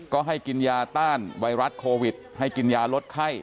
ก็ให้กินยาต้านไวรัสโควิดให้กินยาลดไข้